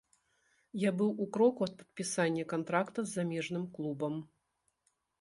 Я быў у кроку ад падпісання кантракта з замежным клубам.